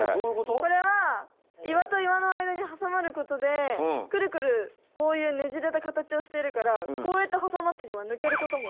これは岩と岩のあいだにはさまることでクルクルこういうねじれたかたちをしているからこうやってはさまっていけばぬけることもないので。